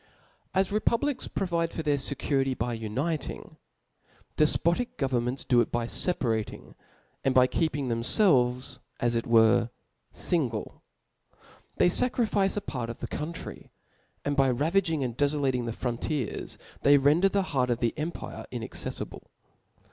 A S republics provide for their fecurity by unit •ing, defpotic governments do it by feparat ing, and by keeping themfelves, as it were, fingle* They faerifice a part of the country •, and by ra vaging and defolating the frontiers, they render the heart of the empire inacceffible.